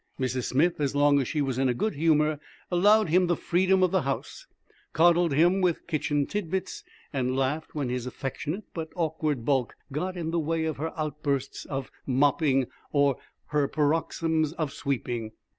Mrs. Smith, as long as she was in a good humor, allowed him the freedom of the house, coddled him with kitchen tit bits, and laughed when his affectionate but awkward bulk got in the way of her outbursts of mopping or her paroxysms of sweeping.